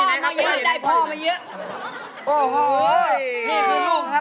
ได้พ่อมาเยอะ